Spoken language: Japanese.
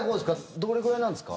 どれくらいなんですか？